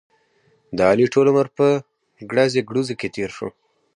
د علي ټول عمر په ګړزې ګړوزې کې تېر شو.